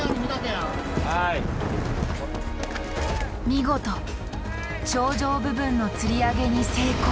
見事頂上部分のつり上げに成功。